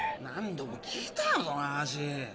何度も聞いたよその話。